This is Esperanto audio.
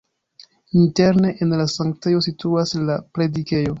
Interne en la sanktejo situas la predikejo.